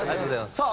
さあ